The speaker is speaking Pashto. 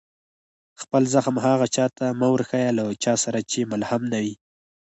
خپل زخم هغه چا ته مه ورښيه، له چا سره چي ملهم نه يي.